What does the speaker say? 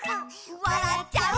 「わらっちゃう」